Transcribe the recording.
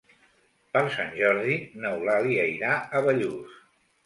Per Sant Jordi n'Eulàlia irà a Bellús.